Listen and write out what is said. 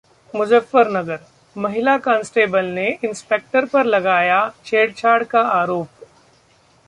मुजफ्फरनगर: महिला कांस्टेबल ने इंस्पेक्टर पर लगाया छेड़छाड़ का आरोप